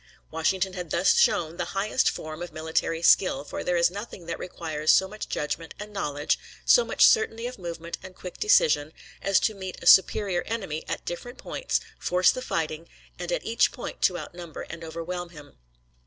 Washington had thus shown the highest form of military skill, for there is nothing that requires so much judgment and knowledge, so much certainty of movement and quick decision, as to meet a superior enemy at different points, force the fighting, and at each point to outnumber and overwhelm him.